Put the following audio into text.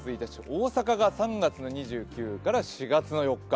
大阪が３月２９日から４月４日。